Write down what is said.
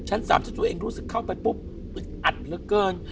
ชั้น๓ถ้าเจ้าเองรู้สึกเข้าไปปุ๊บอึดอัดเหลือเกิน